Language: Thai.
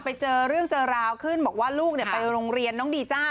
ไปเจอเรื่องเจอราวขึ้นบอกว่าลูกไปโรงเรียนน้องดีจ้า